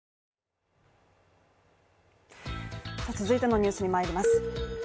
続いてのニュースにまいります。